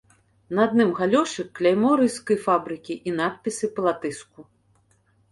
На адным галёшы кляймо рыжскай фабрыкі і надпісы па-латышску.